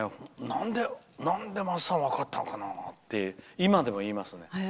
なんで、まっさんは分かったんかなって今でも言いますね。